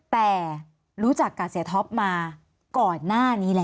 แต่รู้จักกับเสียท็อปมาก่อนหน้านี้แล้ว